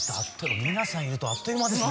皆さんいるとあっという間ですね。